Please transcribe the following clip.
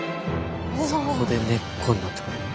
そこで根っこになってくんのか。